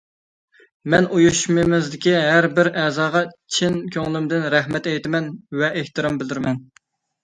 مەن ئۇيۇشمىمىزدىكى ھەر بىر ئەزاغا چىن كۆڭلۈمدىن رەھمەت ئېيتىمەن ۋە ئېھتىرام بىلدۈرىمەن!